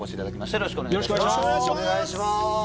よろしくお願いします。